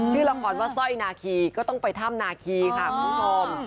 ชื่อละครว่าสร้อยนาคีก็ต้องไปถ้ำนาคีค่ะคุณผู้ชม